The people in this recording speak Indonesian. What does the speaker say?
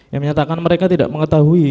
yang menyatakan mereka tidak mengetahui